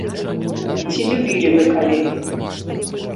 Ці любілі вы калі?